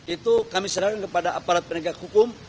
itu kami serahkan kepada aparat penegak hukum